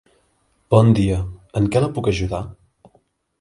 Bon dia, en què la puc ajudar?